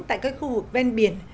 tại các khu vực bên biển